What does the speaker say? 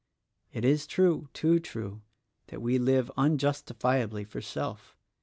It is true— too true— that we live unjus tifiably for self.